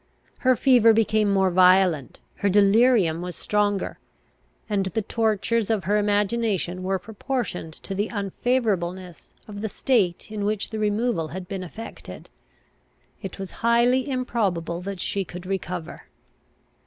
Her fever became more violent; her delirium was stronger; and the tortures of her imagination were proportioned to the unfavourableness of the state in which the removal had been effected. It was highly improbable that she could recover.